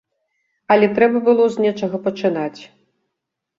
Але трэба было з нечага пачынаць.